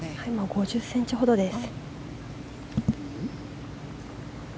５０ｃｍほどです。